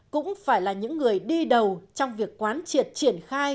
cũng phải là những người đi đầu trong việc quán triệt triển khai